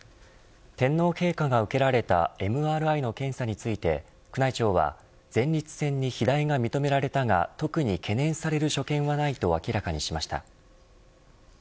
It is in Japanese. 天皇陛下が受けられたＭＲＩの検査について宮内庁は前立腺に肥大が認められたが特に懸念される所見はないと明らかにしました。